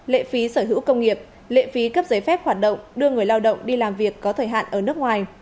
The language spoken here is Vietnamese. lệ phí sở hữu công nghiệp lệ phí cấp giấy phép hoạt động đưa người lao động đi làm việc có thời hạn ở nước ngoài